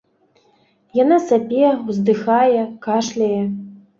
Яна сапе, уздыхае, кашляе.